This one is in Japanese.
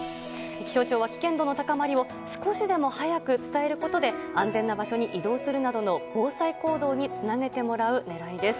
気象庁は危険度の高まりを少しでも早く伝えることで安全な場所に移動するなどの防災行動につなげてもらう狙いです。